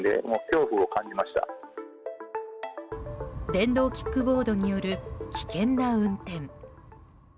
電動キックボードによる危険な運転。